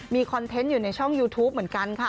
มีคอนเทนต์อยู่ในช่องยูทูปเหมือนกันค่ะ